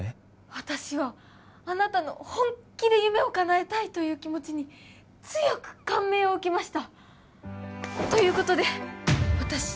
私はあなたの本気で夢をかなえたいという気持ちに強く感銘を受けましたということで私